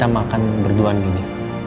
makan berduaan gini